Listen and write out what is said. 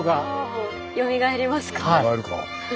よみがえるか。